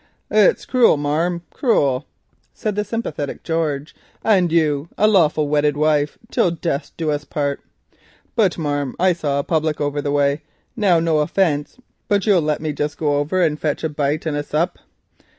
"It's cruel, marm, cruel," said the sympathetic George, "and you a lawful wedded wife 'till death do us part.' But, marm, I saw a public over the way. Now, no offence, but you'll let me just go over and fetch a bite and a sup."